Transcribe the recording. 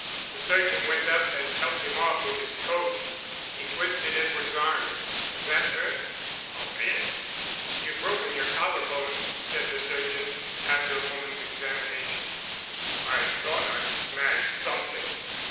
The surgeon went up and helped him off with his coat. He twisted Edward's arm. "Does that hurt?" "A bit." "You've broken your collar bone," said the surgeon, after a moment's examination. "I thought I'd smashed something.